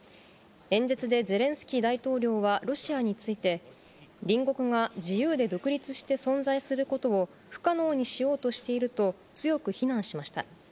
演説でゼレンスキー大統領はロシアについて、隣国が自由で独立して存在することを不可能にしようとしていると強く非難しました。